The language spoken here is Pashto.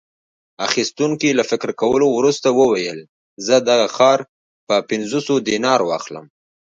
اخیستونکي له فکر کولو وروسته وویل: زه دغه خر په پنځوسو دینارو اخلم.